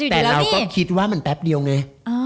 แต่เราก็คิดว่ามันแป๊บเดียวไง